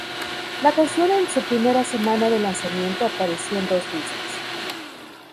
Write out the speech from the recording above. La canción en su primera semana de lanzamiento, apareció en dos listas.